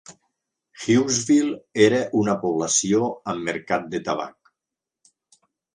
Hughesville era una població amb mercat de tabac.